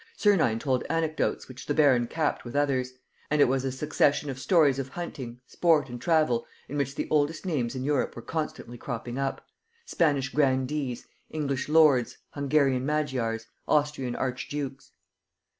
Sernine told anecdotes which the baron capped with others; and it was a succession of stories of hunting, sport and travel, in which the oldest names in Europe were constantly cropping up: Spanish grandees, English lords, Hungarian magyars, Austrian archdukes.